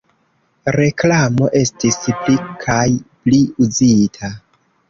Reklamo estis pli kaj pli uzita.